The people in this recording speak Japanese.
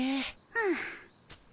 うん。